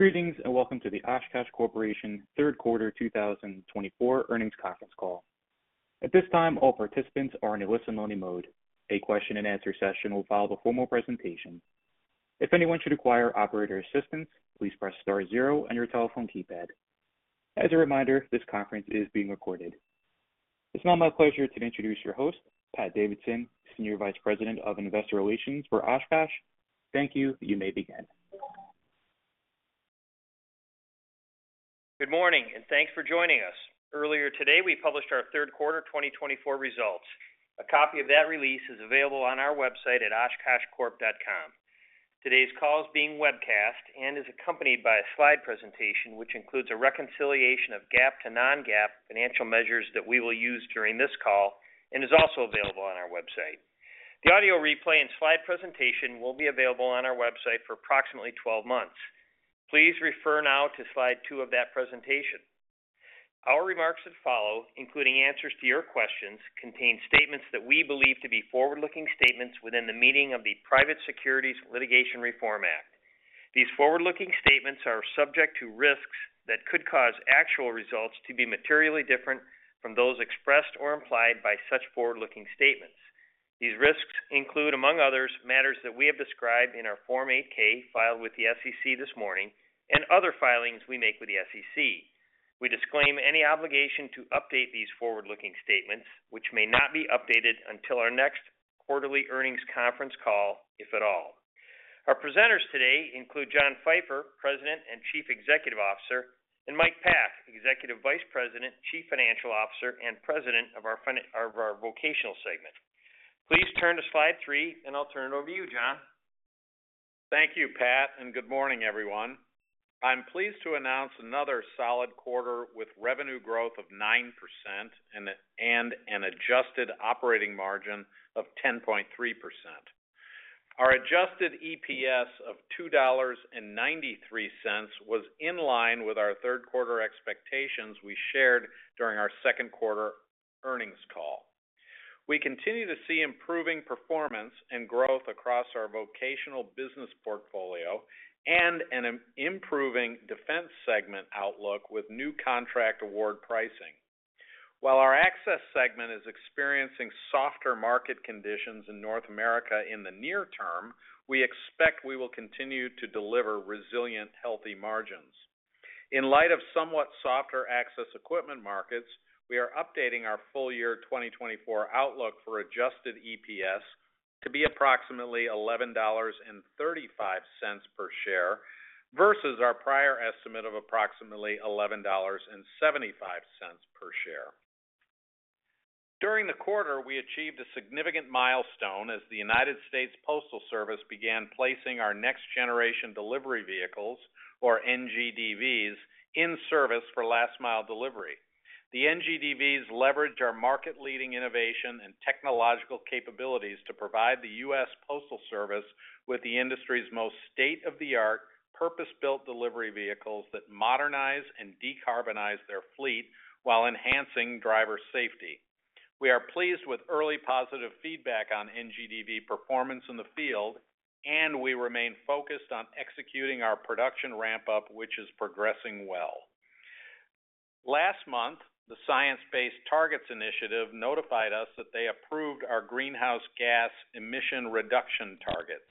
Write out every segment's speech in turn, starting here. Greetings and welcome to the Oshkosh Corporation Third Quarter 2024 earnings conference call. At this time, all participants are in a listen-only mode. A question-and-answer session will follow the formal presentation. If anyone should require operator assistance, please press star zero on your telephone keypad. As a reminder, this conference is being recorded. It's now my pleasure to introduce your host, Pat Davidson, Senior Vice President of Investor Relations for Oshkosh. Thank you. You may begin. Good morning, and thanks for joining us. Earlier today, we published our third quarter 2024 results. A copy of that release is available on our website at oshkoshcorp.com. Today's call is being webcast and is accompanied by a slide presentation, which includes a reconciliation of GAAP to non-GAAP financial measures that we will use during this call and is also available on our website. The audio replay and slide presentation will be available on our website for approximately 12 months. Please refer now to slide two of that presentation. Our remarks that follow, including answers to your questions, contain statements that we believe to be forward-looking statements within the meaning of the Private Securities Litigation Reform Act. These forward-looking statements are subject to risks that could cause actual results to be materially different from those expressed or implied by such forward-looking statements. These risks include, among others, matters that we have described in our Form 8-K filed with the SEC this morning and other filings we make with the SEC. We disclaim any obligation to update these forward-looking statements, which may not be updated until our next quarterly earnings conference call, if at all. Our presenters today include John Pfeifer, President and Chief Executive Officer, and Mike Pack, Executive Vice President, Chief Financial Officer, and President of our Vocational segment. Please turn to slide three, and I'll turn it over to you, John. Thank you, Pat, and good morning, everyone. I'm pleased to announce another solid quarter with revenue growth of 9% and an adjusted operating margin of 10.3%. Our adjusted EPS of $2.93 was in line with our third-quarter expectations we shared during our second-quarter earnings call. We continue to see improving performance and growth across our vocational business portfolio and an improving defense segment outlook with new contract award pricing. While our access segment is experiencing softer market conditions in North America in the near term, we expect we will continue to deliver resilient, healthy margins. In light of somewhat softer access equipment markets, we are updating our full-year 2024 outlook for adjusted EPS to be approximately $11.35 per share versus our prior estimate of approximately $11.75 per share. During the quarter, we achieved a significant milestone as the United States Postal Service began placing our Next-Generation Delivery Vehicles, or NGDVs, in service for last-mile delivery. The NGDVs leverage our market-leading innovation and technological capabilities to provide the U.S. Postal Service with the industry's most state-of-the-art, purpose-built delivery vehicles that modernize and decarbonize their fleet while enhancing driver safety. We are pleased with early positive feedback on NGDV performance in the field, and we remain focused on executing our production ramp-up, which is progressing well. Last month, the Science-Based Targets Initiative notified us that they approved our greenhouse gas emission reduction targets.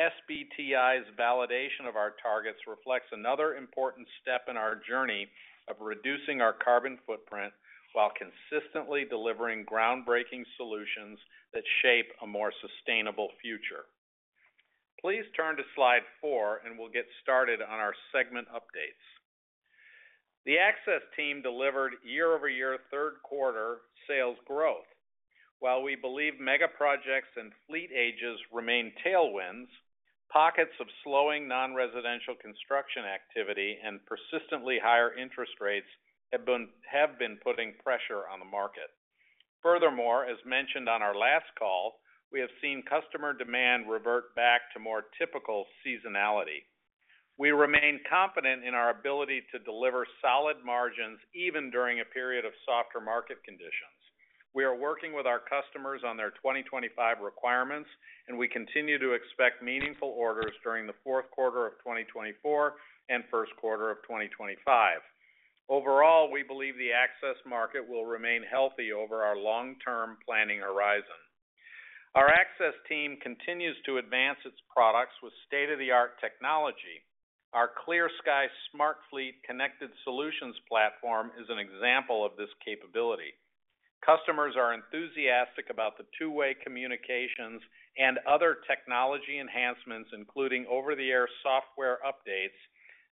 SBTi's validation of our targets reflects another important step in our journey of reducing our carbon footprint while consistently delivering groundbreaking solutions that shape a more sustainable future. Please turn to slide four, and we'll get started on our segment updates. The access team delivered year-over-year third-quarter sales growth. While we believe mega projects and fleet ages remain tailwinds, pockets of slowing non-residential construction activity and persistently higher interest rates have been putting pressure on the market. Furthermore, as mentioned on our last call, we have seen customer demand revert back to more typical seasonality. We remain confident in our ability to deliver solid margins even during a period of softer market conditions. We are working with our customers on their 2025 requirements, and we continue to expect meaningful orders during the fourth quarter of 2024 and first quarter of 2025. Overall, we believe the Access market will remain healthy over our long-term planning horizon. Our Access team continues to advance its products with state-of-the-art technology. Our ClearSky Smart Fleet Connected Solutions platform is an example of this capability. Customers are enthusiastic about the two-way communications and other technology enhancements, including over-the-air software updates,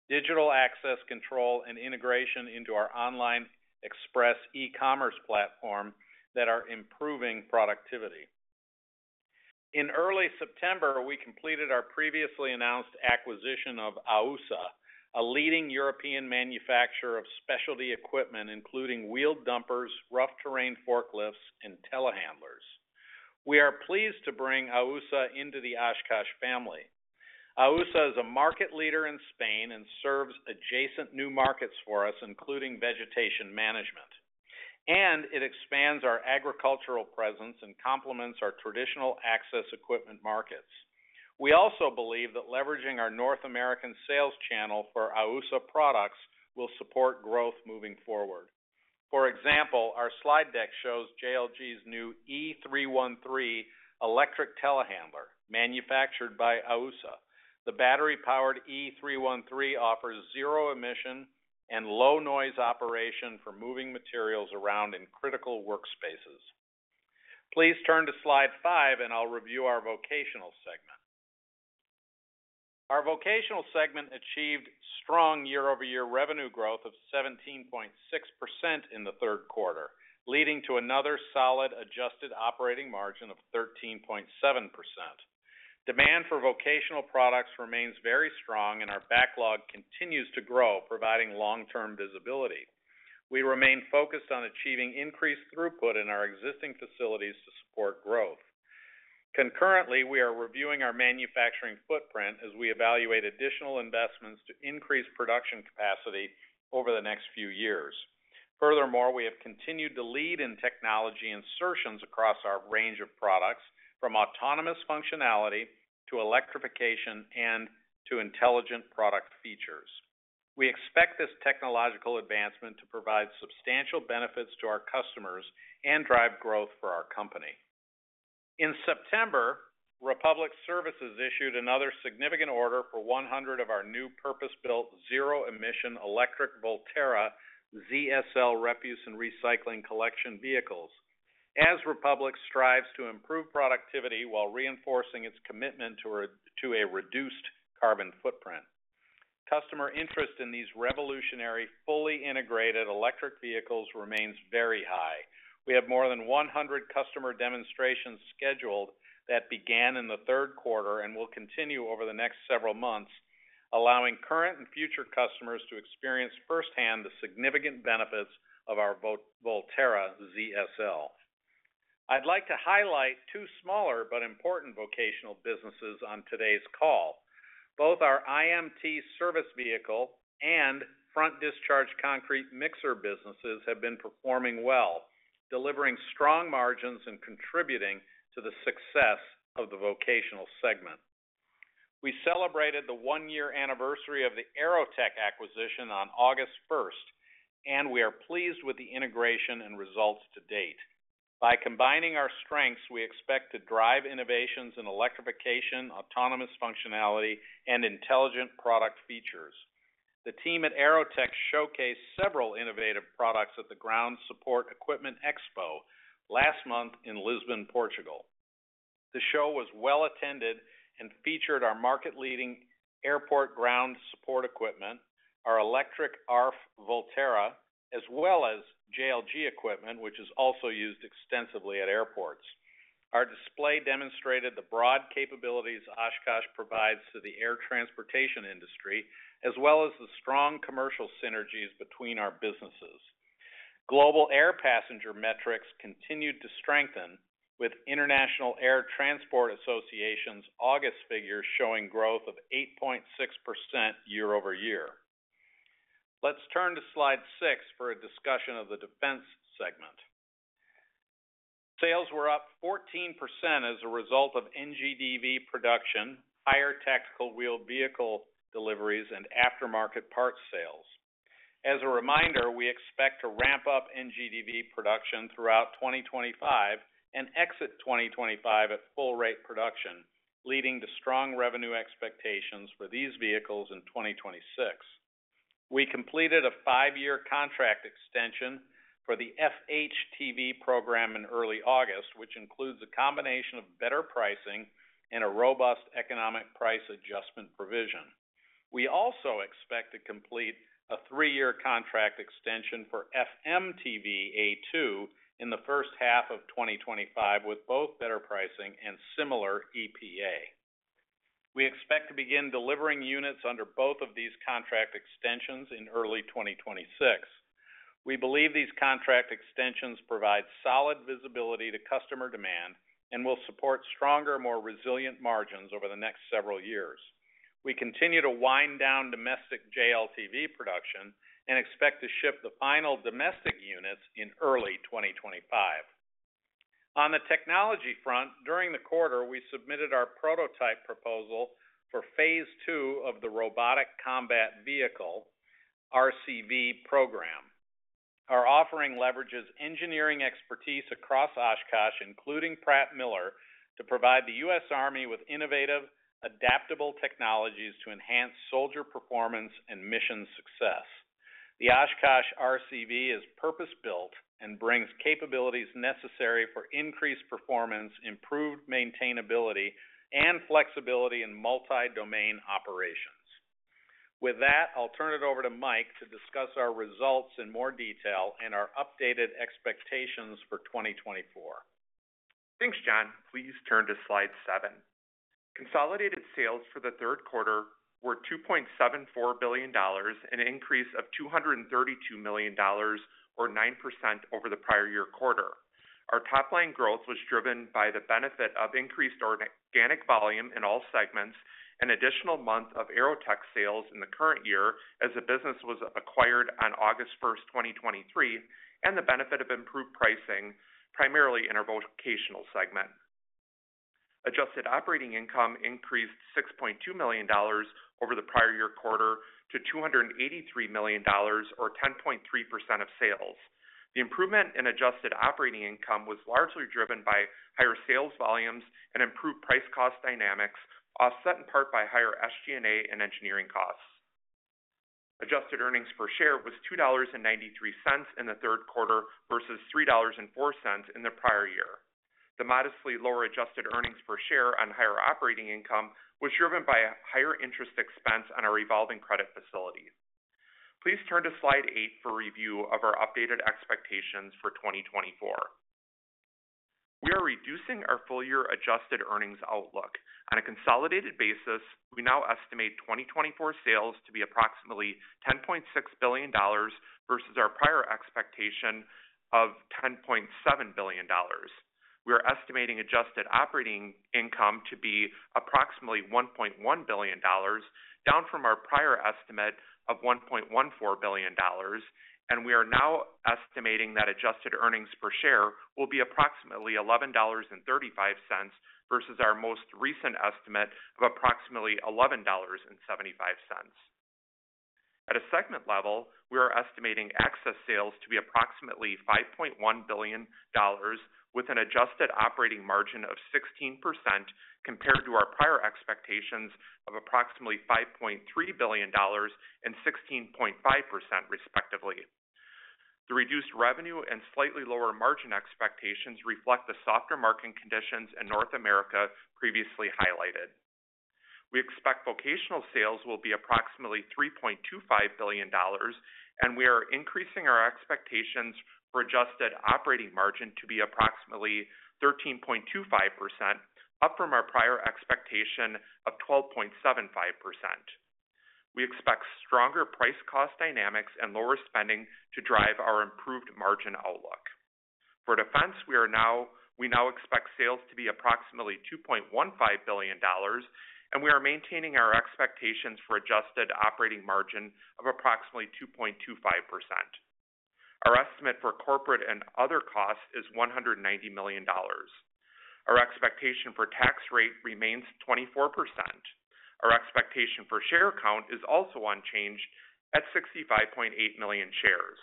digital access control, and integration into our online express e-commerce platform that are improving productivity. In early September, we completed our previously announced acquisition of AUSA, a leading European manufacturer of specialty equipment, including wheeled dumpers, rough terrain forklifts, and telehandlers. We are pleased to bring AUSA into the Oshkosh family. AUSA is a market leader in Spain and serves adjacent new markets for us, including vegetation management, and it expands our agricultural presence and complements our traditional access equipment markets. We also believe that leveraging our North American sales channel for AUSA products will support growth moving forward. For example, our slide deck shows JLG's new E313 electric telehandler manufactured by AUSA. The battery-powered E313 offers zero emission and low-noise operation for moving materials around in critical workspaces. Please turn to slide five, and I'll review our vocational segment. Our vocational segment achieved strong year-over-year revenue growth of 17.6% in the third quarter, leading to another solid adjusted operating margin of 13.7%. Demand for vocational products remains very strong, and our backlog continues to grow, providing long-term visibility. We remain focused on achieving increased throughput in our existing facilities to support growth. Concurrently, we are reviewing our manufacturing footprint as we evaluate additional investments to increase production capacity over the next few years. Furthermore, we have continued to lead in technology insertions across our range of products, from autonomous functionality to electrification and to intelligent product features. We expect this technological advancement to provide substantial benefits to our customers and drive growth for our company. In September, Republic Services issued another significant order for 100 of our new purpose-built zero-emission electric Volterra ZSL refuse and recycling collection vehicles, as Republic strives to improve productivity while reinforcing its commitment to a reduced carbon footprint. Customer interest in these revolutionary, fully integrated electric vehicles remains very high. We have more than 100 customer demonstrations scheduled that began in the third quarter and will continue over the next several months, allowing current and future customers to experience firsthand the significant benefits of our Volterra ZSL. I'd like to highlight two smaller but important vocational businesses on today's call. Both our IMT service vehicle and front-discharge concrete mixer businesses have been performing well, delivering strong margins and contributing to the success of the vocational segment. We celebrated the one-year anniversary of the AeroTech acquisition on August 1st, and we are pleased with the integration and results to date. By combining our strengths, we expect to drive innovations in electrification, autonomous functionality, and intelligent product features. The team at AeroTech showcased several innovative products at the Ground Support Equipment Expo last month in Lisbon, Portugal. The show was well attended and featured our market-leading airport ground service equipment, our electric ARF Volterra, as well as JLG equipment, which is also used extensively at airports. Our display demonstrated the broad capabilities Oshkosh provides to the air transportation industry, as well as the strong commercial synergies between our businesses. Global air passenger metrics continued to strengthen, with International Air Transport Association's August figures showing growth of 8.6% year-over-year. Let's turn to slide six for a discussion of the defense segment. Sales were up 14% as a result of NGDV production, higher tactical wheeled vehicle deliveries, and aftermarket parts sales. As a reminder, we expect to ramp up NGDV production throughout 2025 and exit 2025 at full-rate production, leading to strong revenue expectations for these vehicles in 2026. We completed a five-year contract extension for the FHTV program in early August, which includes a combination of better pricing and a robust economic price adjustment provision. We also expect to complete a three-year contract extension for FMTV A2 in the first half of 2025, with both better pricing and similar EPA. We expect to begin delivering units under both of these contract extensions in early 2026. We believe these contract extensions provide solid visibility to customer demand and will support stronger, more resilient margins over the next several years. We continue to wind down domestic JLTV production and expect to ship the final domestic units in early 2025. On the technology front, during the quarter, we submitted our prototype proposal for phase II of the Robotic Combat Vehicle (RCV) program. Our offering leverages engineering expertise across Oshkosh, including Pratt Miller, to provide the U.S. Army with innovative, adaptable technologies to enhance soldier performance and mission success. The Oshkosh RCV is purpose-built and brings capabilities necessary for increased performance, improved maintainability, and flexibility in multi-domain operations. With that, I'll turn it over to Mike to discuss our results in more detail and our updated expectations for 2024. Thanks, John. Please turn to slide seven. Consolidated sales for the third quarter were $2.74 billion, an increase of $232 million, or 9% over the prior year quarter. Our top-line growth was driven by the benefit of increased organic volume in all segments, an additional month of AeroTech sales in the current year as the business was acquired on August 1st, 2023, and the benefit of improved pricing, primarily in our vocational segment. Adjusted operating income increased $6.2 million over the prior year quarter to $283 million, or 10.3% of sales. The improvement in adjusted operating income was largely driven by higher sales volumes and improved price-cost dynamics, offset in part by higher SG&A and engineering costs. Adjusted earnings per share was $2.93 in the third quarter versus $3.04 in the prior year. The modestly lower adjusted earnings per share on higher operating income was driven by higher interest expense on our revolving credit facility. Please turn to Slide 8 for review of our updated expectations for 2024. We are reducing our full-year adjusted earnings outlook. On a consolidated basis, we now estimate 2024 sales to be approximately $10.6 billion versus our prior expectation of $10.7 billion. We are estimating adjusted operating income to be approximately $1.1 billion, down from our prior estimate of $1.14 billion, and we are now estimating that adjusted earnings per share will be approximately $11.35 versus our most recent estimate of approximately $11.75. At a segment level, we are estimating Access sales to be approximately $5.1 billion, with an adjusted operating margin of 16% compared to our prior expectations of approximately $5.3 billion and 16.5%, respectively. The reduced revenue and slightly lower margin expectations reflect the softer market conditions in North America previously highlighted. We expect vocational sales will be approximately $3.25 billion, and we are increasing our expectations for adjusted operating margin to be approximately 13.25%, up from our prior expectation of 12.75%. We expect stronger price-cost dynamics and lower spending to drive our improved margin outlook. For defense, we now expect sales to be approximately $2.15 billion, and we are maintaining our expectations for adjusted operating margin of approximately 2.25%. Our estimate for corporate and other costs is $190 million. Our expectation for tax rate remains 24%. Our expectation for share count is also unchanged at 65.8 million shares.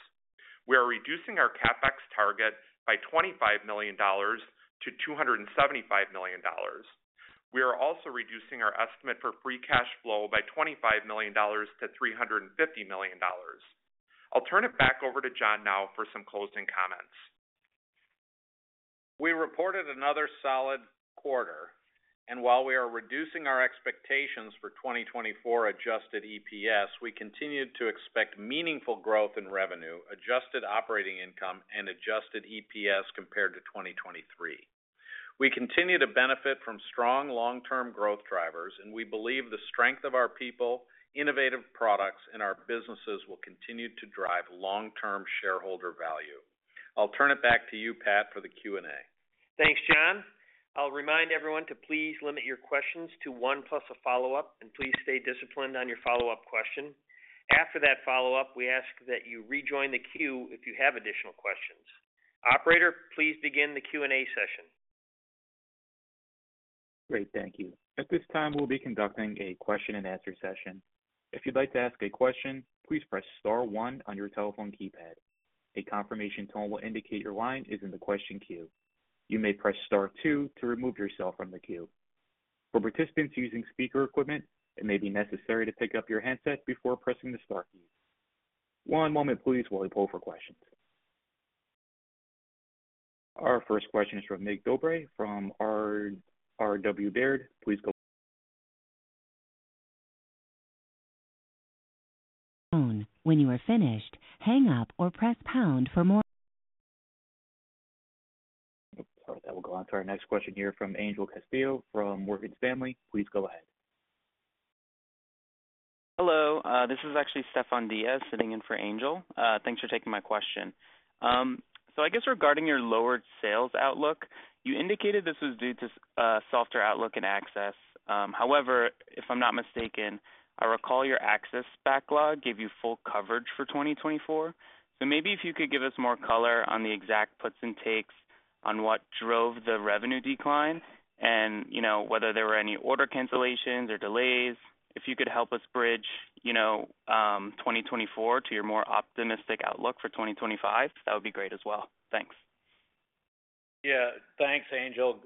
We are reducing our CapEx target by $25 million to $275 million. We are also reducing our estimate for free cash flow by $25 million to $350 million. I'll turn it back over to John now for some closing comments. We reported another solid quarter, and while we are reducing our expectations for 2024 adjusted EPS, we continue to expect meaningful growth in revenue, adjusted operating income, and adjusted EPS compared to 2023. We continue to benefit from strong long-term growth drivers, and we believe the strength of our people, innovative products, and our businesses will continue to drive long-term shareholder value. I'll turn it back to you, Pat, for the Q&A. Thanks, John. I'll remind everyone to please limit your questions to one plus a follow-up, and please stay disciplined on your follow-up question. After that follow-up, we ask that you rejoin the queue if you have additional questions. Operator, please begin the Q&A session. Great, thank you. At this time, we'll be conducting a question-and-answer session. If you'd like to ask a question, please press star one on your telephone keypad. A confirmation tone will indicate your line is in the question queue. You may press star two to remove yourself from the queue. For participants using speaker equipment, it may be necessary to pick up your handset before pressing the star key. One moment, please, while we pull for questions. Our first question is from Mig Dobre from RW Baird. Please go ahead. When you are finished, hang up or press pound for more. That will go on to our next question here from Angel Castillo from Morgan Stanley. Please go ahead. Hello, this is actually Stefan Diaz sitting in for Angel. Thanks for taking my question. So I guess regarding your lowered sales outlook, you indicated this was due to softer outlook and access. However, if I'm not mistaken, I recall your access backlog gave you full coverage for 2024. So maybe if you could give us more color on the exact puts and takes on what drove the revenue decline and whether there were any order cancellations or delays? If you could help us bridge 2024 to your more optimistic outlook for 2025, that would be great as well. Thanks. Yeah, thanks, Angel.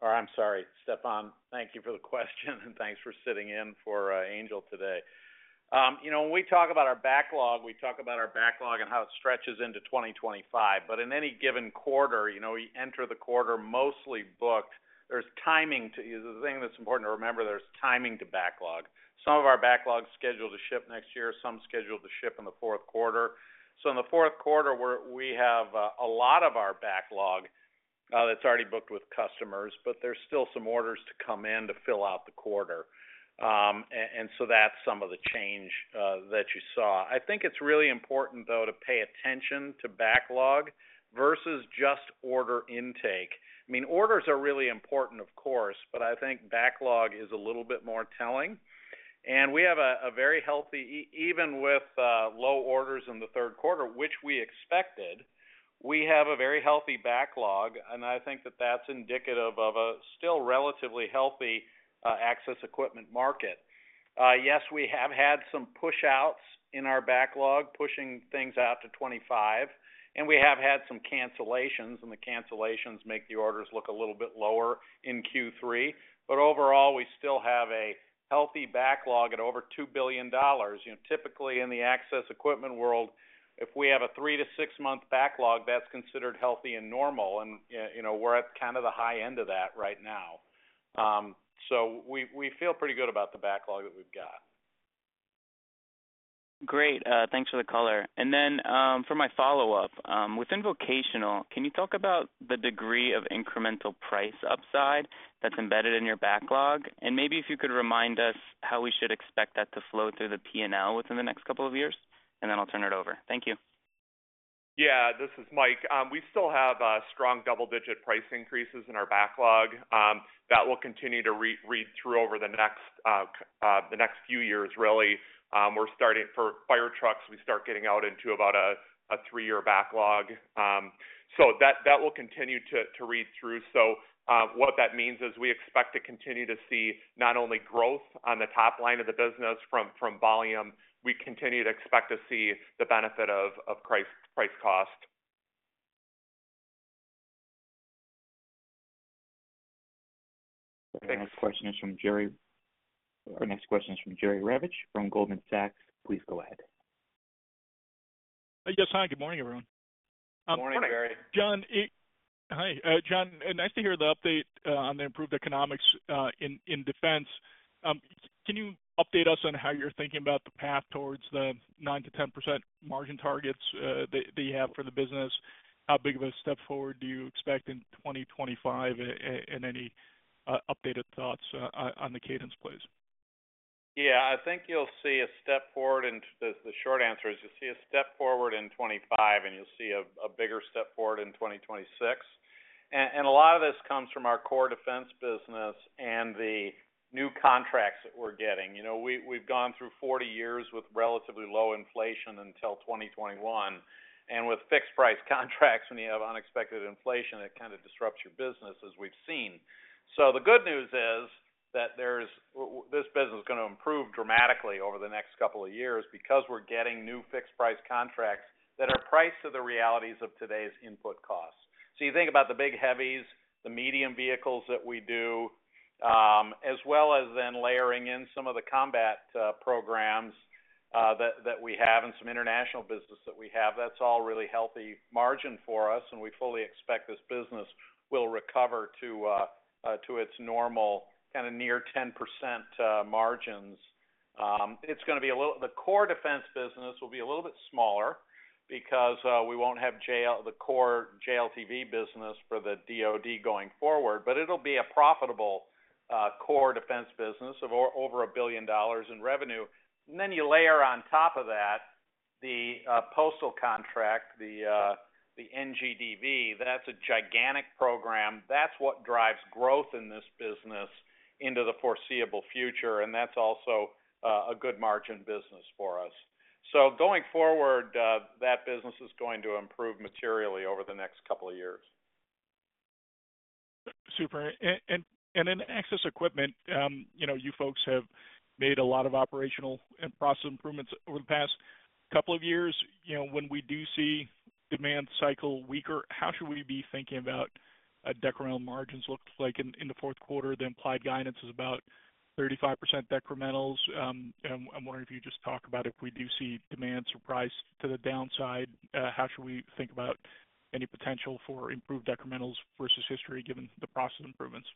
Or I'm sorry, Stefan. Thank you for the question, and thanks for sitting in for Angel today. When we talk about our backlog, we talk about our backlog and how it stretches into 2025, but in any given quarter, we enter the quarter mostly booked. There's timing to, this is the thing that's important to remember, there's timing to backlog. Some of our backlog is scheduled to ship next year. Some are scheduled to ship in the fourth quarter, so in the fourth quarter, we have a lot of our backlog that's already booked with customers, but there's still some orders to come in to fill out the quarter, and so that's some of the change that you saw. I think it's really important, though, to pay attention to backlog versus just order intake. I mean, orders are really important, of course, but I think backlog is a little bit more telling. And we have a very healthy, even with low orders in the third quarter, which we expected, we have a very healthy backlog, and I think that that's indicative of a still relatively healthy access equipment market. Yes, we have had some push-outs in our backlog, pushing things out to 2025, and we have had some cancellations, and the cancellations make the orders look a little bit lower in Q3. But overall, we still have a healthy backlog at over $2 billion. Typically, in the access equipment world, if we have a three- to six-month backlog, that's considered healthy and normal, and we're at kind of the high end of that right now. So we feel pretty good about the backlog that we've got. Great. Thanks for the color. And then for my follow-up, within vocational, can you talk about the degree of incremental price upside that's embedded in your backlog? And maybe if you could remind us how we should expect that to flow through the P&L within the next couple of years, and then I'll turn it over. Thank you. Yeah, this is Mike. We still have strong double-digit price increases in our backlog. That will continue to read through over the next few years, really. For fire trucks, we start getting out into about a three-year backlog. So that will continue to read through. So what that means is we expect to continue to see not only growth on the top line of the business from volume, we continue to expect to see the benefit of price cost. Our next question is from Jerry. Our next question is from Jerry Revich from Goldman Sachs. Please go ahead. Yes, hi. Good morning, everyone. Good morning, Jerry. John. Hi, John. Nice to hear the update on the improved economics in defense. Can you update us on how you're thinking about the path towards the 9%-10% margin targets that you have for the business? How big of a step forward do you expect in 2025? And any updated thoughts on the cadence, please? Yeah, I think you'll see a step forward. The short answer is you'll see a step forward in 2025, and you'll see a bigger step forward in 2026. A lot of this comes from our core defense business and the new contracts that we're getting. We've gone through 40 years with relatively low inflation until 2021. With fixed-price contracts, when you have unexpected inflation, it kind of disrupts your business, as we've seen. The good news is that this business is going to improve dramatically over the next couple of years because we're getting new fixed-price contracts that are priced to the realities of today's input costs. You think about the big heavies, the medium vehicles that we do, as well as then layering in some of the combat programs that we have and some international business that we have. That's all really healthy margin for us, and we fully expect this business will recover to its normal kind of near 10% margins. It's going to be a little, the core defense business will be a little bit smaller because we won't have the core JLTV business for the DOD going forward, but it'll be a profitable core defense business of over $1 billion in revenue. And then you layer on top of that the postal contract, the NGDV. That's a gigantic program. That's what drives growth in this business into the foreseeable future, and that's also a good margin business for us. So going forward, that business is going to improve materially over the next couple of years. Super. And in access equipment, you folks have made a lot of operational and process improvements over the past couple of years. When we do see demand cycle weaker, how should we be thinking about decremental margins look like in the fourth quarter? The implied guidance is about 35% decrementals. I'm wondering if you just talk about if we do see demand surprise to the downside. How should we think about any potential for improved decrementals versus history given the process improvements?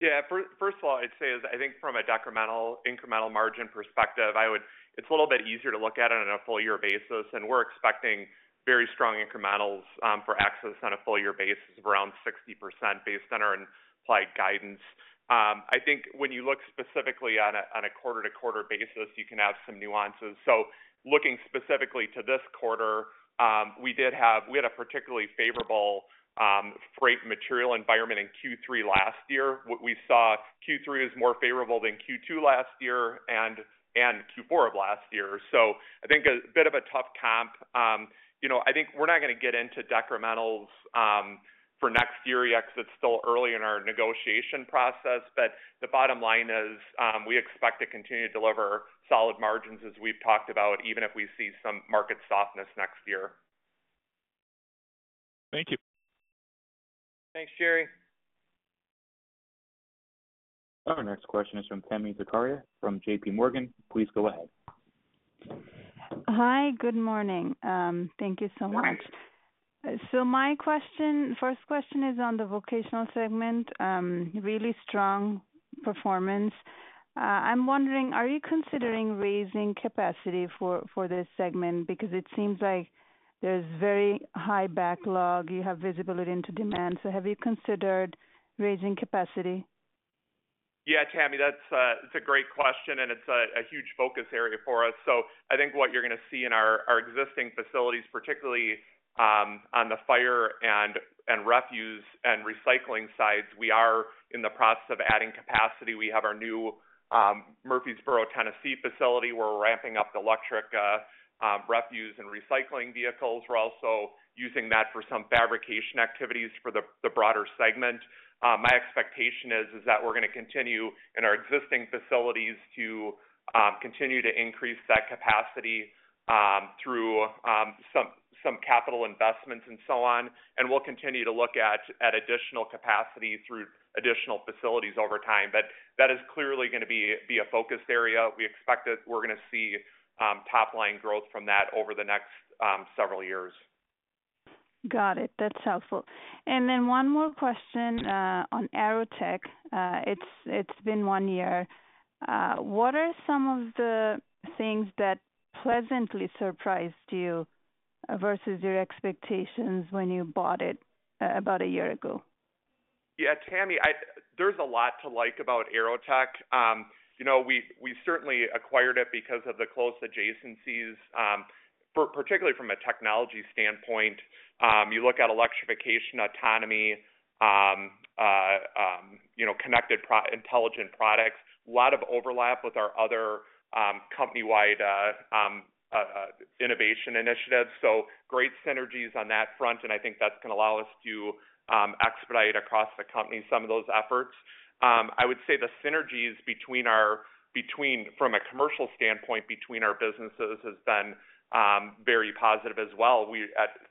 Yeah. First of all, I'd say, I think from a decremental incremental margin perspective, it's a little bit easier to look at it on a full-year basis, and we're expecting very strong incrementals for access on a full-year basis of around 60% based on our implied guidance. I think when you look specifically on a quarter-to-quarter basis, you can have some nuances. So looking specifically to this quarter, we had a particularly favorable freight material environment in Q3 last year. We saw Q3 was more favorable than Q2 last year and Q4 of last year. So I think a bit of a tough comp. I think we're not going to get into decrementals for next year yet because it's still early in our negotiation process, but the bottom line is we expect to continue to deliver solid margins as we've talked about, even if we see some market softness next year. Thank you. Thanks, Jerry. Our next question is from Tami Zakaria from J.P. Morgan. Please go ahead. Hi, good morning. Thank you so much. So my first question is on the Vocational segment, really strong performance. I'm wondering, are you considering raising capacity for this segment? Because it seems like there's very high backlog. You have visibility into demand. So have you considered raising capacity? Yeah, Tami, that's a great question, and it's a huge focus area for us. So I think what you're going to see in our existing facilities, particularly on the fire and refuse and recycling sides, we are in the process of adding capacity. We have our new Murfreesboro, Tennessee facility where we're ramping up electric refuse and recycling vehicles. We're also using that for some fabrication activities for the broader segment. My expectation is that we're going to continue in our existing facilities to continue to increase that capacity through some capital investments and so on. And we'll continue to look at additional capacity through additional facilities over time. But that is clearly going to be a focus area. We expect that we're going to see top-line growth from that over the next several years. Got it. That's helpful. And then one more question on AeroTech. It's been one year. What are some of the things that pleasantly surprised you versus your expectations when you bought it about a year ago? Yeah, Tami, there's a lot to like about AeroTech. We certainly acquired it because of the close adjacencies, particularly from a technology standpoint. You look at electrification, autonomy, connected intelligent products, a lot of overlap with our other company-wide innovation initiatives. So great synergies on that front, and I think that's going to allow us to expedite across the company some of those efforts. I would say the synergies from a commercial standpoint between our businesses has been very positive as well.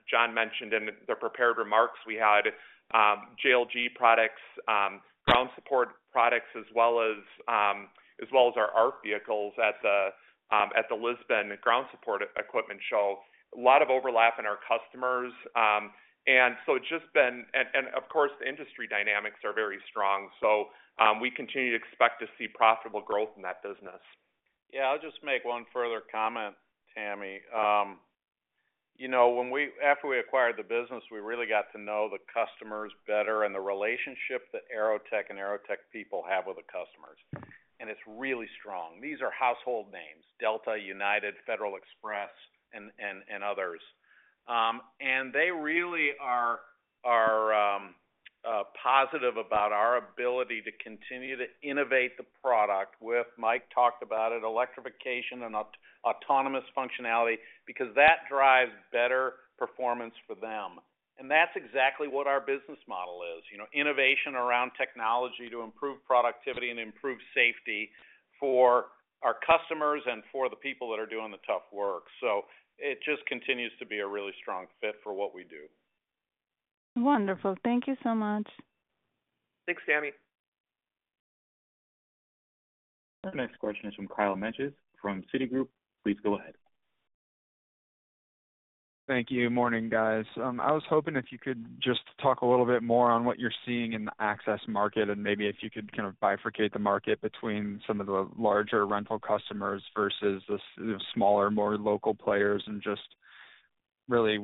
John mentioned in the prepared remarks, we had JLG products, ground support products, as well as our ARF vehicles at the Lisbon ground support equipment show. A lot of overlap in our customers. And so it's just been, and of course, the industry dynamics are very strong. So we continue to expect to see profitable growth in that business. Yeah, I'll just make one further comment, Tami. After we acquired the business, we really got to know the customers better and the relationship that AeroTech and AeroTech people have with the customers and it's really strong. These are household names: Delta, United, Federal Express, and others and they really are positive about our ability to continue to innovate the product with, Mike talked about it, electrification and autonomous functionality because that drives better performance for them and that's exactly what our business model is: innovation around technology to improve productivity and improve safety for our customers and for the people that are doing the tough work so it just continues to be a really strong fit for what we do. Wonderful. Thank you so much. Thanks, Tammy. Our next question is from Kyle Menges from Citigroup. Please go ahead. Thank you. Morning, guys. I was hoping if you could just talk a little bit more on what you're seeing in the access market and maybe if you could kind of bifurcate the market between some of the larger rental customers versus the smaller, more local players and just really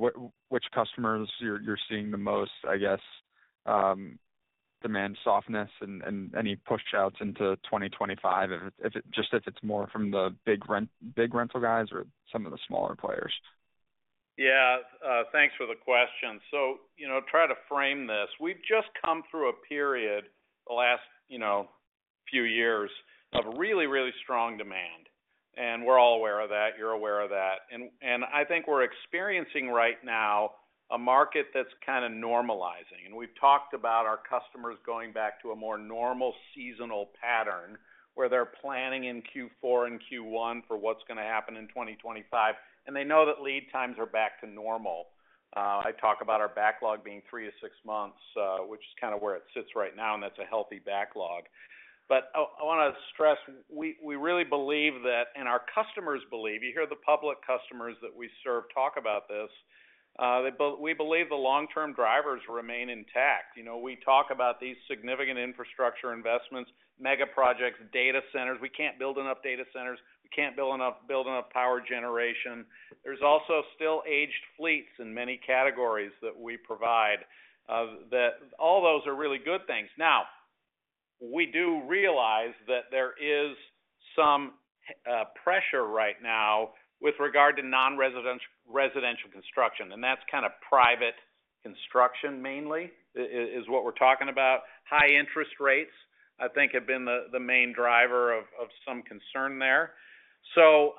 which customers you're seeing the most, I guess, demand softness and any push-outs into 2025, just if it's more from the big rental guys or some of the smaller players. Yeah. Thanks for the question. So try to frame this. We've just come through a period the last few years of really, really strong demand. And we're all aware of that. You're aware of that. And I think we're experiencing right now a market that's kind of normalizing. And we've talked about our customers going back to a more normal seasonal pattern where they're planning in Q4 and Q1 for what's going to happen in 2025, and they know that lead times are back to normal. I talk about our backlog being three to six months, which is kind of where it sits right now, and that's a healthy backlog. But I want to stress we really believe that, and our customers believe, you hear the public customers that we serve talk about this. We believe the long-term drivers remain intact. We talk about these significant infrastructure investments, mega projects, data centers. We can't build enough data centers. We can't build enough power generation. There's also still aged fleets in many categories that we provide. All those are really good things. Now, we do realize that there is some pressure right now with regard to non-residential construction, and that's kind of private construction mainly is what we're talking about. High interest rates, I think, have been the main driver of some concern there. So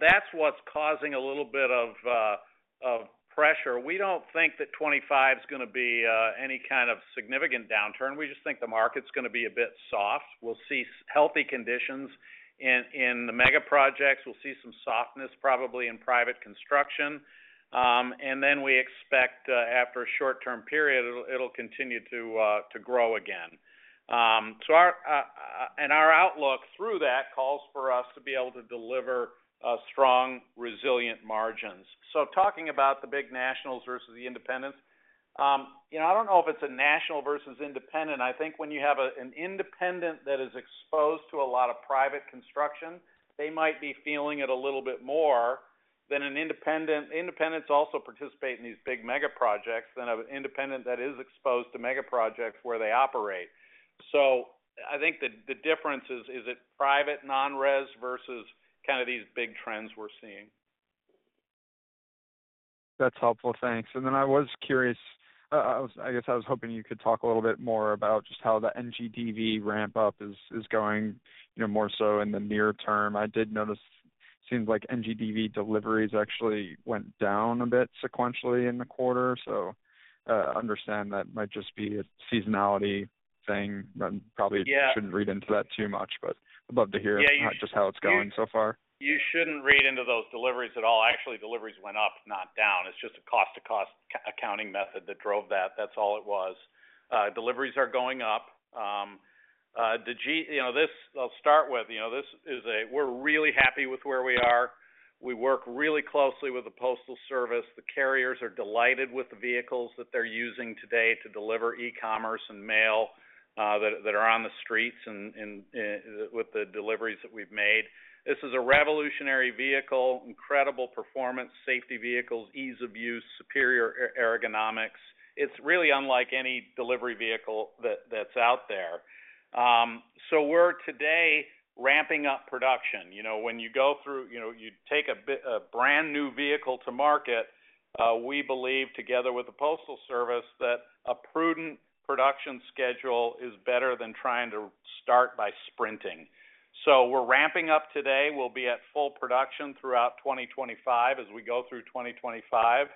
that's what's causing a little bit of pressure. We don't think that 2025 is going to be any kind of significant downturn. We just think the market's going to be a bit soft. We'll see healthy conditions in the mega projects. We'll see some softness probably in private construction. And then we expect after a short-term period, it'll continue to grow again. And our outlook through that calls for us to be able to deliver strong, resilient margins. So talking about the big nationals versus the independents, I don't know if it's a national versus independent. I think when you have an independent that is exposed to a lot of private construction, they might be feeling it a little bit more than an independent. Independents also participate in these big mega projects than an independent that is exposed to mega projects where they operate. So I think the difference is private non-res versus kind of these big trends we're seeing. That's helpful. Thanks, and then I was curious. I guess I was hoping you could talk a little bit more about just how the NGDV ramp-up is going more so in the near term. I did notice it seems like NGDV deliveries actually went down a bit sequentially in the quarter, so I understand that might just be a seasonality thing. Probably shouldn't read into that too much, but I'd love to hear just how it's going so far. You shouldn't read into those deliveries at all. Actually, deliveries went up, not down. It's just a cost-to-cost accounting method that drove that. That's all it was. Deliveries are going up. I'll start with this: we're really happy with where we are. We work really closely with the postal service. The carriers are delighted with the vehicles that they're using today to deliver e-commerce and mail that are on the streets with the deliveries that we've made. This is a revolutionary vehicle, incredible performance, safety vehicles, ease of use, superior ergonomics. It's really unlike any delivery vehicle that's out there. So we're today ramping up production. When you go through, you take a brand new vehicle to market, we believe, together with the postal service, that a prudent production schedule is better than trying to start by sprinting. So we're ramping up today. We'll be at full production throughout 2025 as we go through 2025.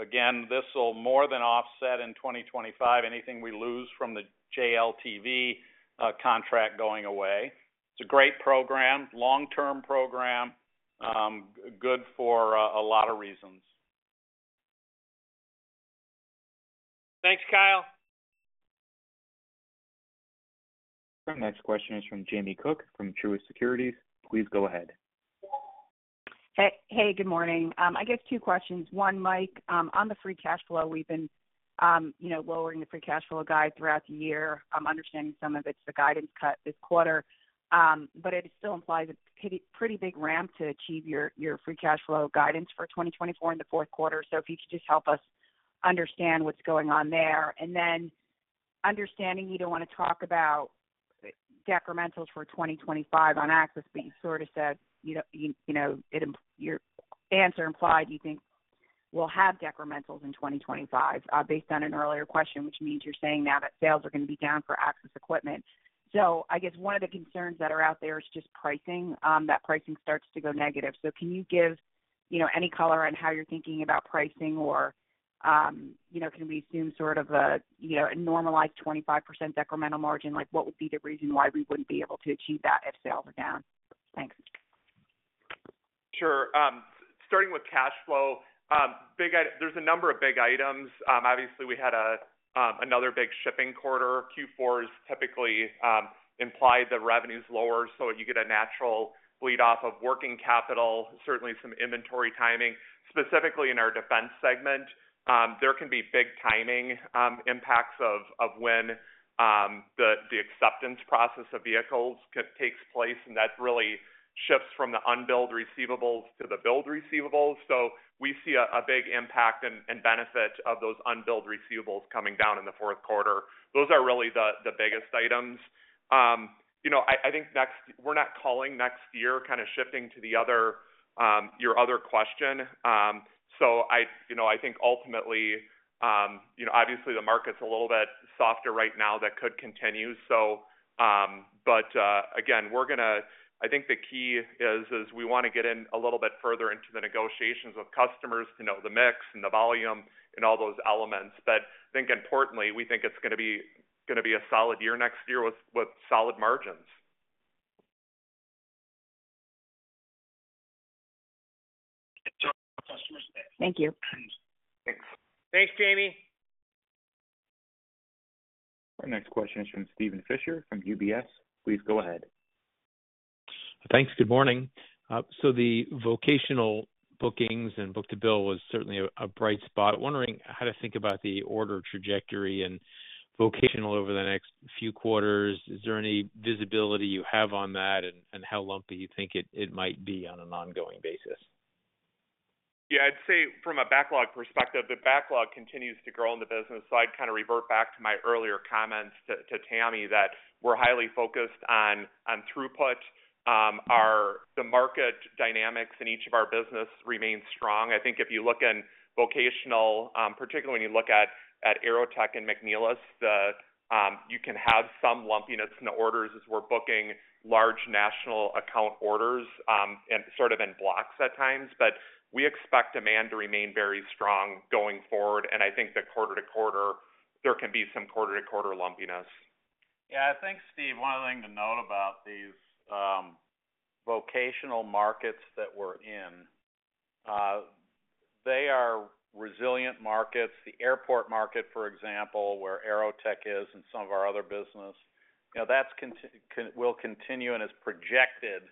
Again, this will more than offset in 2025 anything we lose from the JLTV contract going away. It's a great program, long-term program, good for a lot of reasons. Thanks, Kyle. Our next question is from Jamie Cook from Truist Securities. Please go ahead. Hey, good morning. I guess two questions. One, Mike, on the free cash flow, we've been lowering the free cash flow guide throughout the year, understanding some of it's the guidance cut this quarter. But it still implie`s a pretty big ramp to achieve your free cash flow guidance for 2024 in the fourth quarter. So if you could just help us understand what's going on there. And then understanding you don't want to talk about decrementals for 2025 on access, but you sort of said your answer implied you think we'll have decrementals in 2025 based on an earlier question, which means you're saying now that sales are going to be down for access equipment. So I guess one of the concerns that are out there is just pricing. That pricing starts to go negative. So can you give any color on how you're thinking about pricing, or can we assume sort of a normalized 25% decremental margin? What would be the reason why we wouldn't be able to achieve that if sales are down? Thanks. Sure. Starting with cash flow, there's a number of big items. Obviously, we had another big shipping quarter. Q4 has typically implied the revenues lower, so you get a natural bleed-off of working capital, certainly some inventory timing. Specifically in our defense segment, there can be big timing impacts of when the acceptance process of vehicles takes place, and that really shifts from the unbilled receivables to the billed receivables. So we see a big impact and benefit of those unbilled receivables coming down in the fourth quarter. Those are really the biggest items. I think we're not calling next year kind of shifting to your other question. So I think ultimately, obviously, the market's a little bit softer right now. That could continue. But again, I think the key is we want to get in a little bit further into the negotiations with customers to know the mix and the volume and all those elements. But I think importantly, we think it's going to be a solid year next year with solid margins. Thank you. Thanks, Jamie. Our next question is from Steven Fisher from UBS. Please go ahead. Thanks. Good morning. So the vocational bookings and book-to-bill was certainly a bright spot. Wondering how to think about the order trajectory and vocational over the next few quarters. Is there any visibility you have on that, and how lumpy you think it might be on an ongoing basis? Yeah, I'd say from a backlog perspective, the backlog continues to grow on the business side. Kind of revert back to my earlier comments to Tami that we're highly focused on throughput. The market dynamics in each of our businesses remain strong. I think if you look in vocational, particularly when you look at AeroTech and McNeilus, you can have some lumpiness in the orders as we're booking large national account orders and sort of in blocks at times. But we expect demand to remain very strong going forward, and I think that quarter to quarter, there can be some quarter to quarter lumpiness. Yeah, thanks, Steve. One of the things to note about these vocational markets that we're in, they are resilient markets. The airport market, for example, where AeroTech is and some of our other business, that will continue and is projected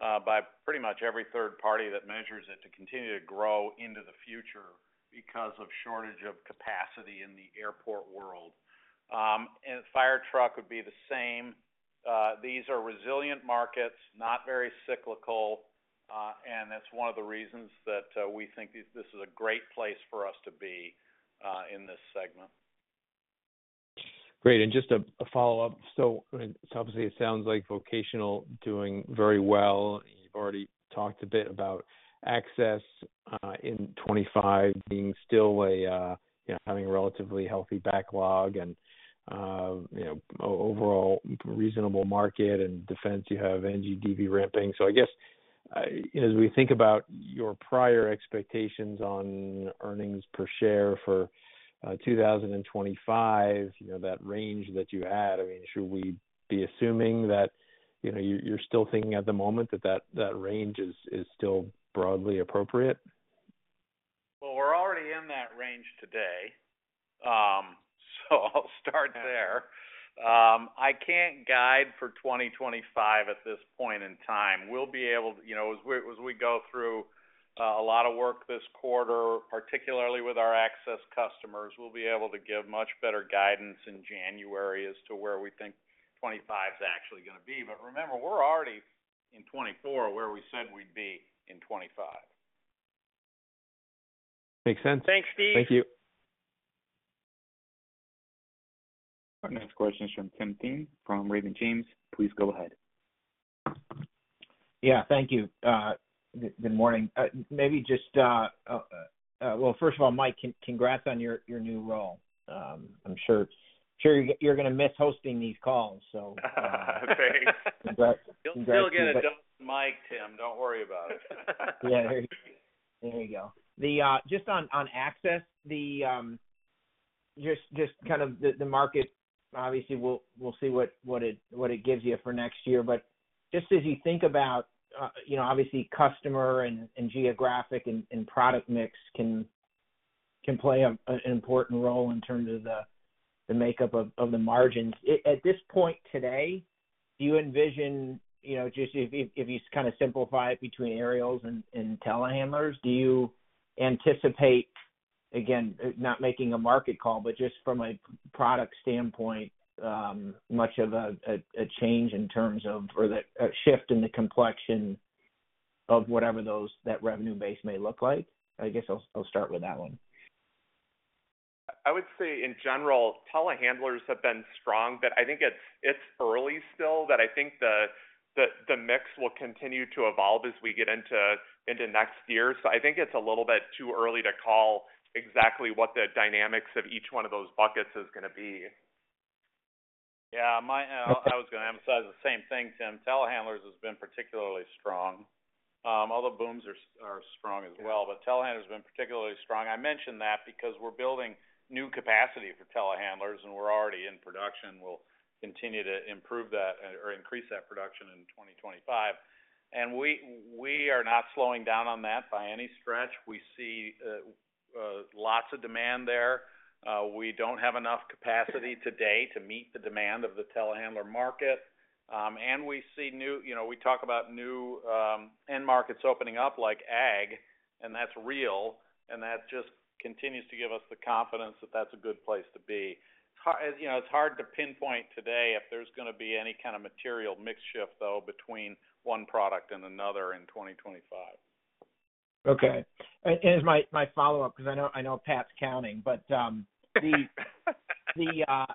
by pretty much every third party that measures it to continue to grow into the future because of shortage of capacity in the airport world, and fire truck would be the same. These are resilient markets, not very cyclical, and that's one of the reasons that we think this is a great place for us to be in this segment. Great. And just a follow-up. So obviously, it sounds like vocational is doing very well. You've already talked a bit about access in 2025 being still having a relatively healthy backlog and overall reasonable market. In defense, you have NGDV ramping. So I guess as we think about your prior expectations on earnings per share for 2025, that range that you had, I mean, should we be assuming that you're still thinking at the moment that that range is still broadly appropriate? We're already in that range today. I'll start there. I can't guide for 2025 at this point in time. We'll be able to, as we go through a lot of work this quarter, particularly with our access customers, we'll be able to give much better guidance in January as to where we think 2025 is actually going to be. Remember, we're already in 2024 where we said we'd be in 2025. Makes sense. Thanks, Steve. Thank you. Our next question is from Tim Thein from Raymond James. Please go ahead. Yeah, thank you. Good morning. Maybe just, well, first of all, Mike, congrats on your new role. I'm sure you're going to miss hosting these calls, so. Thanks. You'll get a dozen on mic, Tim. Don't worry about it. Yeah, there you go. Just on access, just kind of the market, obviously, we'll see what it gives you for next year. But just as you think about, obviously, customer and geographic and product mix can play an important role in terms of the makeup of the margins. At this point today, do you envision just if you kind of simplify it between aerials and telehandlers, do you anticipate, again, not making a market call, but just from a product standpoint, much of a change in terms of or a shift in the complexion of whatever that revenue base may look like? I guess I'll start with that one. I would say, in general, telehandlers have been strong, but I think it's early still that I think the mix will continue to evolve as we get into next year. So I think it's a little bit too early to call exactly what the dynamics of each one of those buckets is going to be. Yeah, I was going to emphasize the same thing, Tim. Telehandlers has been particularly strong. Although booms are strong as well, but telehandlers have been particularly strong. I mentioned that because we're building new capacity for telehandlers, and we're already in production. We'll continue to improve that or increase that production in 2025. And we are not slowing down on that by any stretch. We see lots of demand there. We don't have enough capacity today to meet the demand of the telehandler market. We see, when we talk about new end markets opening up like ag, and that's real. That just continues to give us the confidence that that's a good place to be. It's hard to pinpoint today if there's going to be any kind of material mix shift, though, between one product and another in 2025. Okay. And as my follow-up, because I know Pat's counting,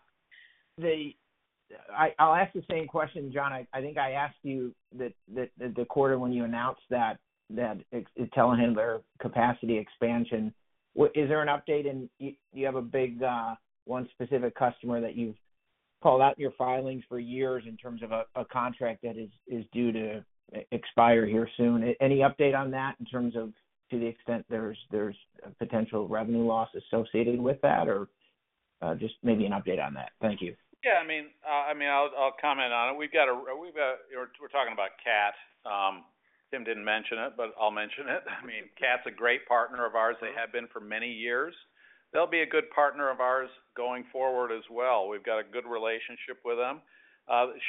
but I'll ask the same question, John. I think I asked you the quarter when you announced that telehandler capacity expansion. Is there an update? Do you have one specific customer that you've called out in your filings for years in terms of a contract that is due to expire here soon? Any update on that in terms of to the extent there's potential revenue loss associated with that, or just maybe an update on that? Thank you. Yeah, I mean, I'll comment on it. We're talking about Cat. Tim didn't mention it, but I'll mention it. I mean, Cat's a great partner of ours. They have been for many years. They'll be a good partner of ours going forward as well. We've got a good relationship with them.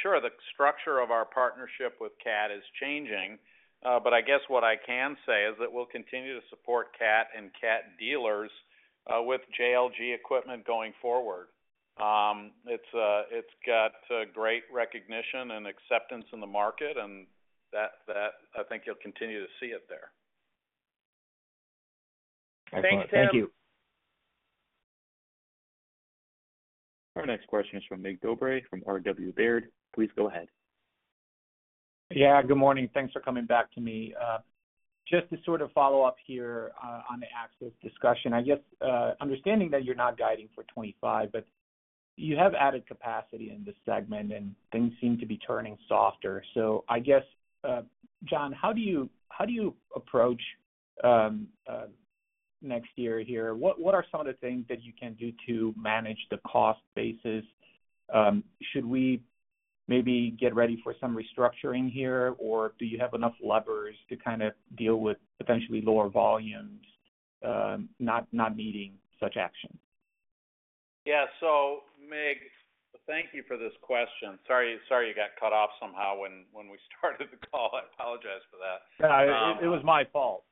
Sure, the structure of our partnership with Cat is changing, but I guess what I can say is that we'll continue to support Cat and Cat dealers with JLG equipment going forward. It's got great recognition and acceptance in the market, and I think you'll continue to see it there. Thanks, Tim. Thank you. Our next question is from Mig Dobre from RW Baird. Please go ahead. Yeah, good morning. Thanks for coming back to me. Just to sort of follow up here on the access discussion, I guess understanding that you're not guiding for 2025, but you have added capacity in this segment, and things seem to be turning softer. So I guess, John, how do you approach next year here? What are some of the things that you can do to manage the cost basis? Should we maybe get ready for some restructuring here, or do you have enough levers to kind of deal with potentially lower volumes not needing such action? Yeah, so Mig, thank you for this question. Sorry you got cut off somehow when we started the call. I apologize for that. It was my fault.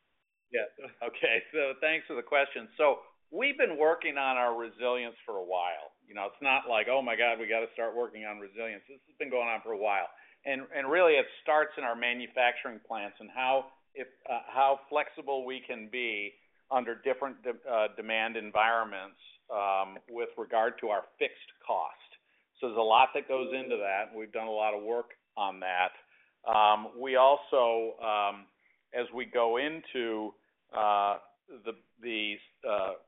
Yes. Okay. So thanks for the question. So we've been working on our resilience for a while. It's not like, "Oh my God, we got to start working on resilience." This has been going on for a while, and really, it starts in our manufacturing plants and how flexible we can be under different demand environments with regard to our fixed cost. So there's a lot that goes into that, and we've done a lot of work on that. We also, as we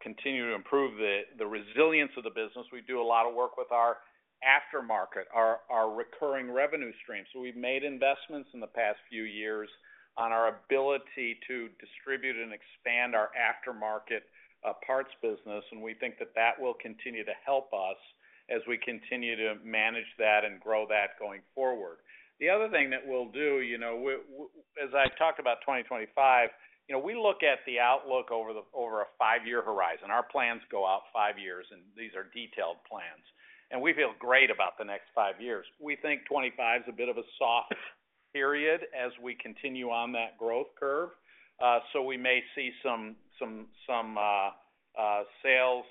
continue to improve the resilience of the business, we do a lot of work with our aftermarket, our recurring revenue streams. So we've made investments in the past few years on our ability to distribute and expand our aftermarket parts business, and we think that that will continue to help us as we continue to manage that and grow that going forward. The other thing that we'll do, as I talked about 2025, we look at the outlook over a five-year horizon. Our plans go out five years, and these are detailed plans, and we feel great about the next five years. We think '25 is a bit of a soft period as we continue on that growth curve, so we may see some sales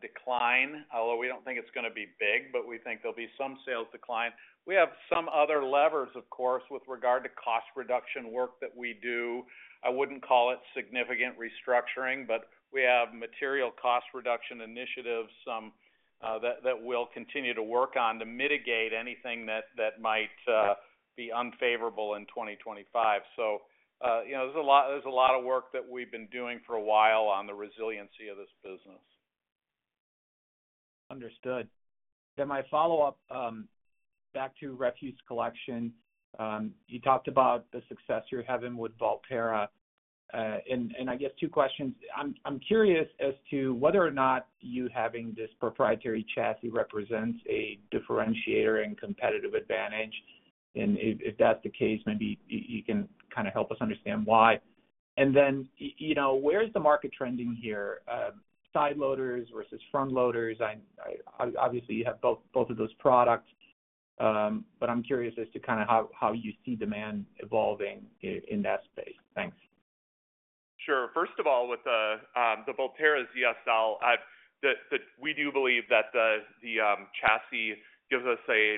decline, although we don't think it's going to be big, but we think there'll be some sales decline. We have some other levers, of course, with regard to cost reduction work that we do. I wouldn't call it significant restructuring, but we have material cost reduction initiatives that we'll continue to work on to mitigate anything that might be unfavorable in 2025, so there's a lot of work that we've been doing for a while on the resiliency of this business. Understood. Then my follow-up back to refuse collection. You talked about the success you're having with Volterra. And I guess two questions. I'm curious as to whether or not you having this proprietary chassis represents a differentiator and competitive advantage. And if that's the case, maybe you can kind of help us understand why. And then where's the market trending here? Side loaders versus front loaders? Obviously, you have both of those products, but I'm curious as to kind of how you see demand evolving in that space. Thanks. Sure. First of all, with the Volterra ZSL, we do believe that the chassis gives us a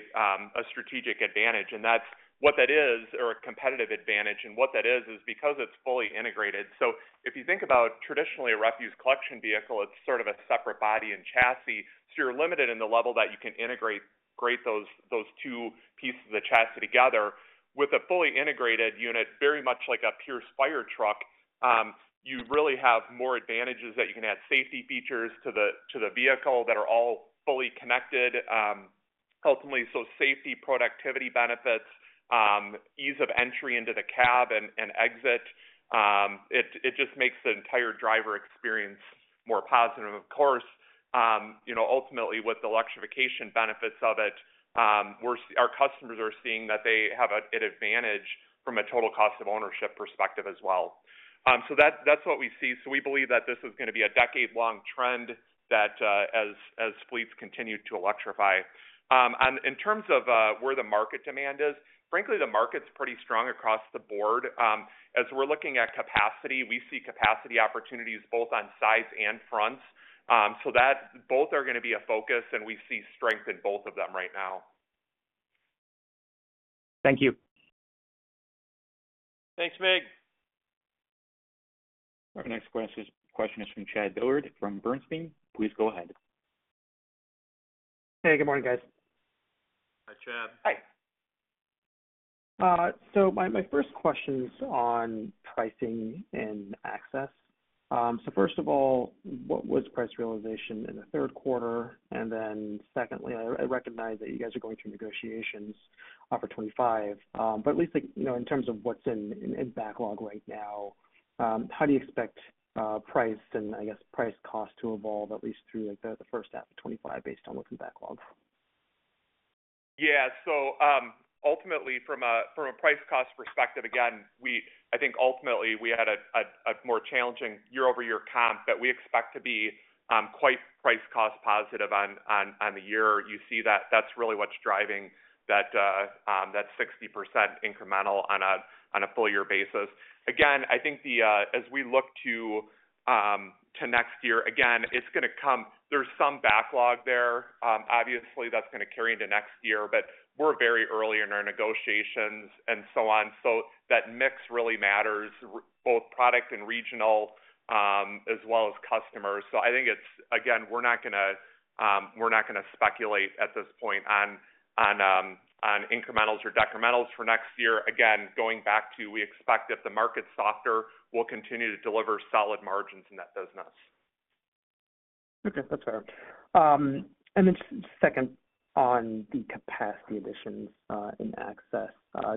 strategic advantage. And that's what that is, or a competitive advantage. And what that is, is because it's fully integrated. So if you think about traditionally a refuse collection vehicle, it's sort of a separate body and chassis. So you're limited in the level that you can integrate those two pieces of the chassis together. With a fully integrated unit, very much like a Pierce fire truck, you really have more advantages that you can add safety features to the vehicle that are all fully connected. Ultimately, so safety, productivity benefits, ease of entry into the cab and exit. It just makes the entire driver experience more positive. Of course, ultimately, with the electrification benefits of it, our customers are seeing that they have an advantage from a total cost of ownership perspective as well. So that's what we see. So we believe that this is going to be a decade-long trend as fleets continue to electrify. In terms of where the market demand is, frankly, the market's pretty strong across the board. As we're looking at capacity, we see capacity opportunities both on refuse and access fronts. So both are going to be a focus, and we see strength in both of them right now. Thank you. Thanks, Mig. Our next question is from Chad Dillard from Bernstein. Please go ahead. Hey, good morning, guys. Hi, Chad. Hi. So my first question is on pricing and access. So first of all, what was price realization in the third quarter? And then secondly, I recognize that you guys are going through negotiations for 2025, but at least in terms of what's in backlog right now, how do you expect price and, I guess, price cost to evolve at least through the first half of 2025 based on what's in backlog? Yeah. So ultimately, from a price cost perspective, again, I think ultimately we had a more challenging year-over-year comp that we expect to be quite price cost positive on the year. You see that that's really what's driving that 60% incremental on a full-year basis. Again, I think as we look to next year, again, it's going to come. There's some backlog there. Obviously, that's going to carry into next year, but we're very early in our negotiations and so on. So that mix really matters, both product and regional, as well as customers. So I think it's, again, we're not going to speculate at this point on incrementals or decrementals for next year. Again, going back to, we expect if the market's softer, we'll continue to deliver solid margins in that business. Okay. That's fair. And then second, on the capacity additions in access,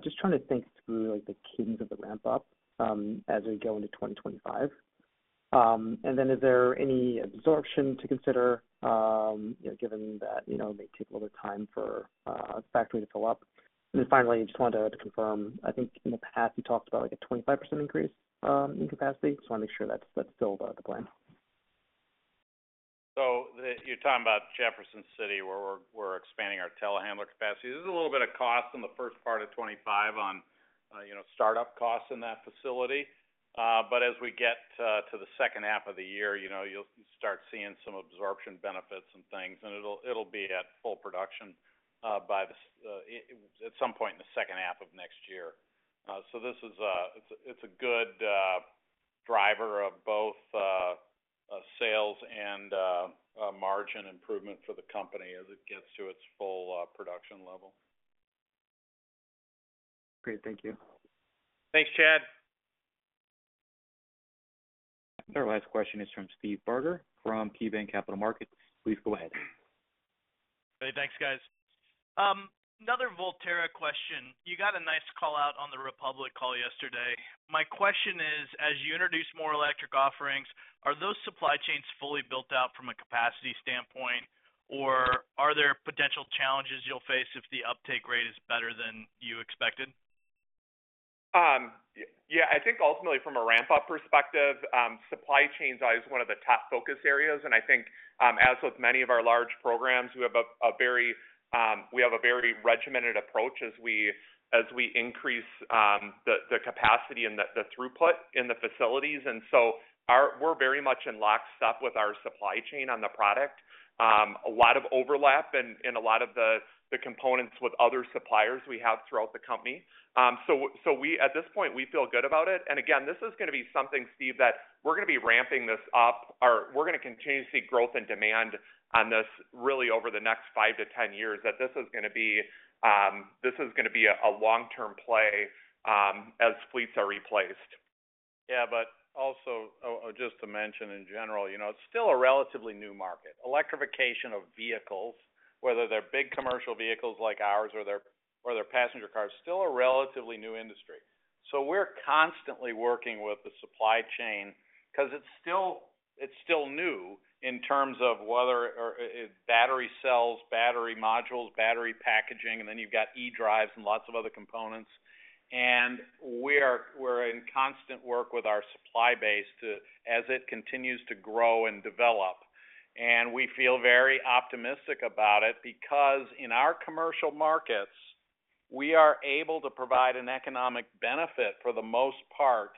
just trying to think through the cadence of the ramp-up as we go into 2025. And then is there any absorption to consider given that it may take a little bit of time for a factory to fill up? And then finally, I just wanted to confirm, I think in the past, you talked about a 25% increase in capacity. So I want to make sure that's still the plan. So you're talking about Jefferson City where we're expanding our telehandler capacity. There's a little bit of cost in the first part of 2025 on startup costs in that facility. But as we get to the second half of the year, you'll start seeing some absorption benefits and things, and it'll be at full production at some point in the second half of next year. So it's a good driver of both sales and margin improvement for the company as it gets to its full production level. Great. Thank you. Thanks, Chad. Our last question is from Steve Barger from KeyBanc Capital Markets. Please go ahead. Hey, thanks, guys. Another Volterra question. You got a nice call out on the Republic call yesterday. My question is, as you introduce more electric offerings, are those supply chains fully built out from a capacity standpoint, or are there potential challenges you'll face if the uptake rate is better than you expected? Yeah. I think ultimately, from a ramp-up perspective, supply chains are always one of the top focus areas. And I think, as with many of our large programs, we have a very regimented approach as we increase the capacity and the throughput in the facilities. And so we're very much in lock step with our supply chain on the product. A lot of overlap in a lot of the components with other suppliers we have throughout the company. So at this point, we feel good about it. And again, this is going to be something, Steve, that we're going to be ramping this up. We're going to continue to see growth and demand on this really over the next five to 10 years that this is going to be a long-term play as fleets are replaced. Yeah, but also just to mention in general, it's still a relatively new market. Electrification of vehicles, whether they're big commercial vehicles like ours or they're passenger cars, is still a relatively new industry. So we're constantly working with the supply chain because it's still new in terms of whether battery cells, battery modules, battery packaging, and then you've got eDrives and lots of other components. And we're in constant work with our supply base as it continues to grow and develop. And we feel very optimistic about it because in our commercial markets, we are able to provide an economic benefit for the most part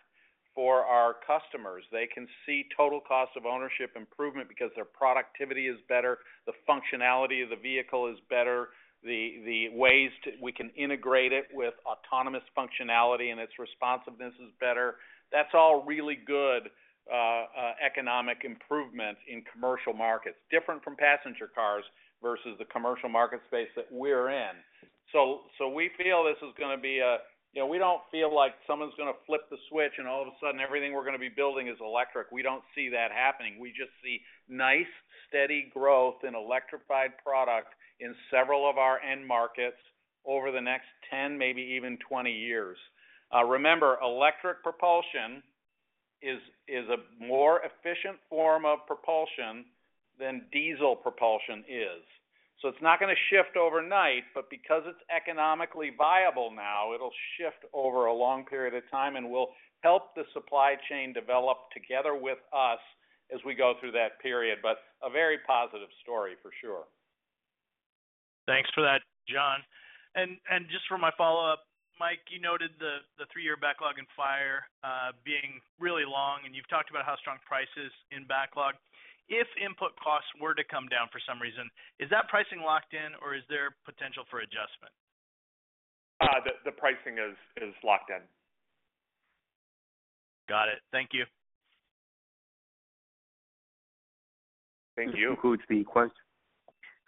for our customers. They can see total cost of ownership improvement because their productivity is better. The functionality of the vehicle is better. The ways we can integrate it with autonomous functionality and its responsiveness is better. That's all really good economic improvement in commercial markets, different from passenger cars versus the commercial market space that we're in. So we feel this is going to be. We don't feel like someone's going to flip the switch and all of a sudden everything we're going to be building is electric. We don't see that happening. We just see nice, steady growth in electrified product in several of our end markets over the next 10, maybe even 20 years. Remember, electric propulsion is a more efficient form of propulsion than diesel propulsion is. So it's not going to shift overnight, but because it's economically viable now, it'll shift over a long period of time and will help the supply chain develop together with us as we go through that period. But a very positive story for sure. Thanks for that, John. And just for my follow-up, Mike, you noted the three-year backlog in Fire being really long, and you've talked about how strong prices in backlog. If input costs were to come down for some reason, is that pricing locked in or is there potential for adjustment? The pricing is locked in. Got it. Thank you. Thank you. This concludes the question.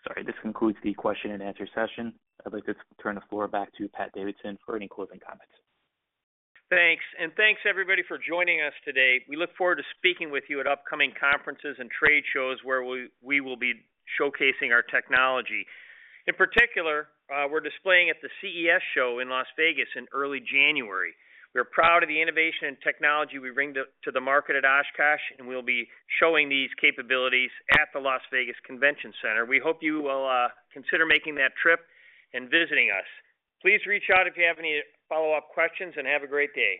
Sorry. This concludes the question and answer session. I'd like to turn the floor back to Pat Davidson for any closing comments. Thanks. And thanks, everybody, for joining us today. We look forward to speaking with you at upcoming conferences and trade shows where we will be showcasing our technology. In particular, we're displaying at the CES show in Las Vegas in early January. We are proud of the innovation and technology we bring to the market at Oshkosh, and we'll be showing these capabilities at the Las Vegas Convention Center. We hope you will consider making that trip and visiting us. Please reach out if you have any follow-up questions and have a great day.